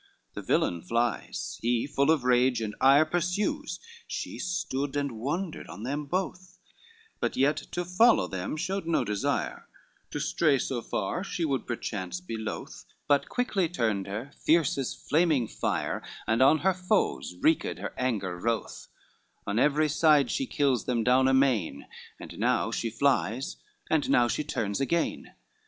XXXI The villain flies, he, full of rage and ire, Pursues, she stood and wondered on them both, But yet to follow them showed no desire, To stray so far she would perchance be loth, But quickly turned her, fierce as flaming fire, And on her foes wreaked her anger wroth, On every side she kills them down amain, And now she flies, and now she turns again.